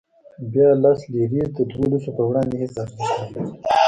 بیا لس لیرې د دولسو په وړاندې هېڅ ارزښت نه لري.